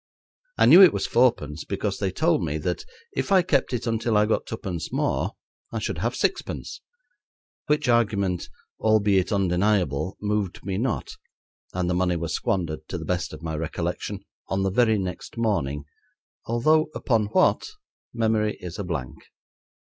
I knew it was fourpence, because they told me that if I kept it until I got twopence more I should have sixpence, which argument, albeit undeniable, moved me not, and the money was squandered, to the best of my recollection, on the very next morning, although upon what memory is a blank.